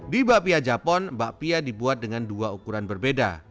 di bapia japon bakpia dibuat dengan dua ukuran berbeda